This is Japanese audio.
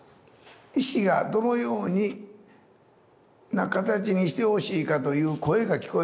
「石がどのような形にしてほしいか」という声が聞こえてくるって。